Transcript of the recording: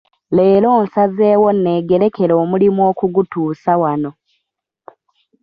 Leero nsazeewo neegerekere omulimu okugutuusa wano.